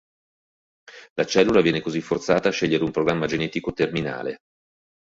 La cellula viene così forzata a scegliere un programma genetico terminale.